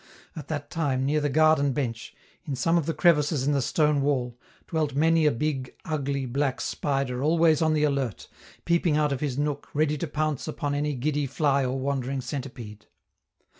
At that time, near the garden bench, in some of the crevices in the stone wall, dwelt many a big, ugly, black spider always on the alert, peeping out of his nook ready to pounce upon any giddy fly or wandering centipede.